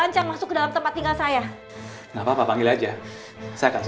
aku gak boleh kasih tahu naya aku pemilik hotel ini